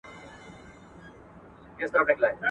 املا د ماشومانو خلاقیت ته وده ورکوي.